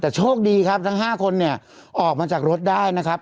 แต่โชคดีครับทั้ง๕คนเนี่ยออกมาจากรถได้นะครับ